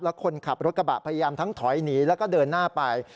แล้วคนขับรถกระบะพยายามทั้งถอยหนีแล้วก็เดินหน้าไป